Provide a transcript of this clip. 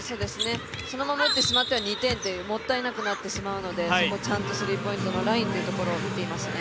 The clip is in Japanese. そのまま打ってしまっては２点ともったいなくなってしまうのでちゃんとスリーポイントのラインというところを見ていましたね。